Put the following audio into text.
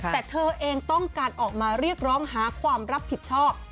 แต่เธอเองต้องการออกมาเรียกร้องหาความรับผิดชอบ